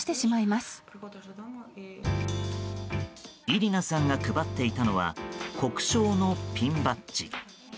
イリナさんが配っていたのは国章のピンバッジ。